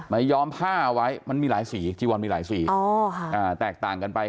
ย้อมผ้าไว้มันมีหลายสีจีวอนมีหลายสีแตกต่างกันไป